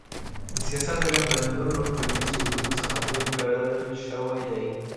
د سياست علم له نورو ټولنيزو علومو څخه بېل کړل سوی دی.